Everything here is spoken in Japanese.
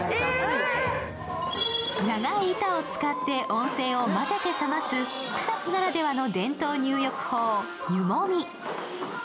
長い板を使って温泉を混ぜて冷ます草津ならではの伝統入浴法、湯もみ